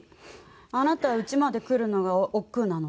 あなたはうちまで来るのが億劫なのね。